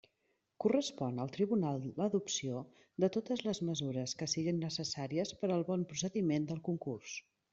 Correspon al tribunal l'adopció de totes les mesures que siguen necessàries per al bon procediment del concurs.